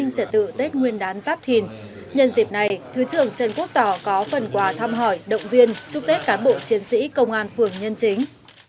nguyên đán giáp thìn nhân dịp này thứ trưởng trần quốc tỏ có phần quà thăm hỏi động viên chúc tết cán bộ chiến sĩ công an phưởng nhân chính